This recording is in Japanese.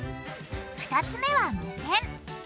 ２つ目は目線。